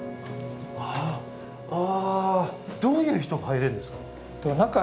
あああどういう人が入れるんですか？